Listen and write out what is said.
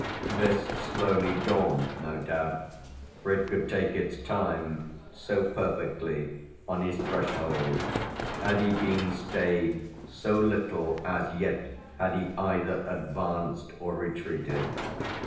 This slowly dawned, no doubt for it could take its time; so perfectly, on his threshold, had he been stayed, so little as yet had he either advanced or retreated.